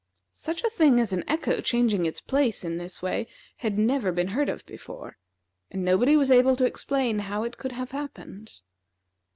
Such a thing as an echo changing its place in this way had never been heard of before, and nobody was able to explain how it could have happened.